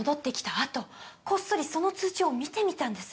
あとこっそりその通帳を見てみたんです。